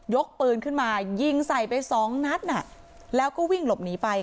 ปืนขึ้นมายิงใส่ไปสองนัดแล้วก็วิ่งหลบหนีไป